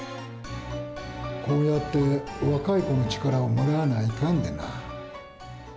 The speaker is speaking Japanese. こうやって若い子の力をもらわないかんでなぁ。